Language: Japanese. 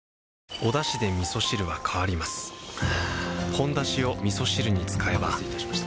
「ほんだし」をみそ汁に使えばお待たせいたしました。